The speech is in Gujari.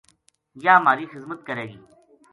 یاہ مھاری خزمت کرے گی